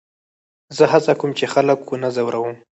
زه هڅه کوم، چي خلک و نه ځوروم.